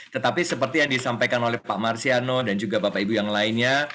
tetapi seperti yang disampaikan oleh pak marsiano dan juga bapak ibu yang lainnya